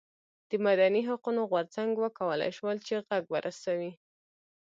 د مدني حقونو غورځنګ وکولای شول چې غږ ورسوي.